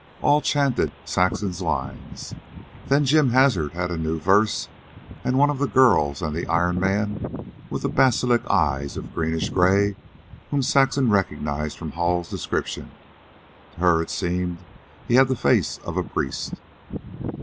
And all chanted Saxon's lines. Then Jim Hazard had a new verse, and one of the girls, and the Iron Man with the basilisk eyes of greenish gray, whom Saxon recognized from Hall's description. To her it seemed he had the face of a priest.